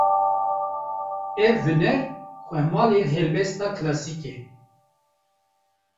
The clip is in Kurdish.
Ev huner, xwemalê helbesta klasîk e